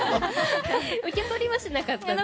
受け取りはしなかったんですね。